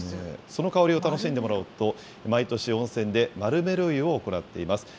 その香りを楽しんでもらおうと、毎年、温泉でマルメロ湯を行っています。